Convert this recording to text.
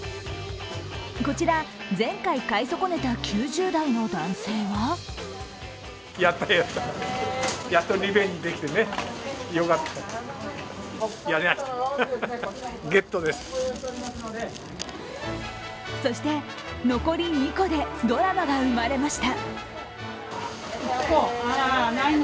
こちら前回買い損ねた９０代の男性はそして残り２個でドラマが生まれました。